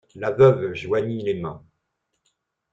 La veuve joignit les mains.